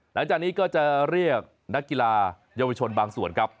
หลังจากนี้ก็จะเรียกนักกีฬาเยาวชนบางส่วนครับ